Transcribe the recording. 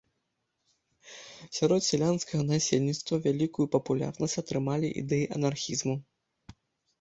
Сярод сялянскага насельніцтва вялікую папулярнасць атрымалі ідэі анархізму.